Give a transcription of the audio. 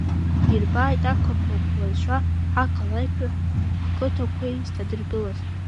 Ирбааит ақырҭуа қәлаҩцәа ҳақалақьқәеи ҳқыҭақәеи зҭадыргылыз.